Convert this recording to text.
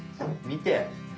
見て。